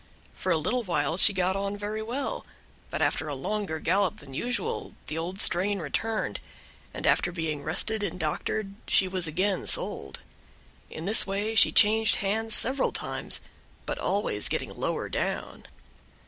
For a little while she got on very well, but after a longer gallop than usual the old strain returned, and after being rested and doctored she was again sold. In this way she changed hands several times, but always getting lower down.